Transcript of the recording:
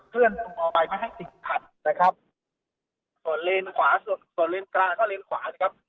เคลื่อนตัวไปไม่ให้ติดขัดนะครับส่วนเลนขวาส่วนส่วนเลนกลางก็เลนขวานะครับ